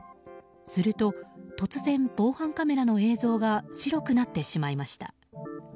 すると突然、防犯カメラの映像が白くなってしまいました。